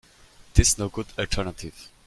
This no good alternative.